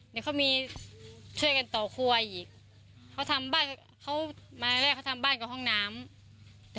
เดี๋ยวเขามีช่วยกันต่อครัวอีกเขาทำบ้านเขามาแรกเขาทำบ้านกับห้องน้ำ